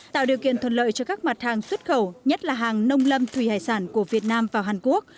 tạo điều kiện thuận lợi cho các mặt hàng xuất khẩu nhất là hàng nông lâm thủy hải sản của việt nam vào hàn quốc